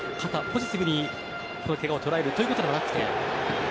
ポジティブにけがを捉えるということではなくて。